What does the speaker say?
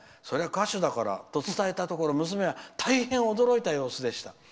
そりゃ、歌手だからと伝えたところ娘は大変驚いた様子でした。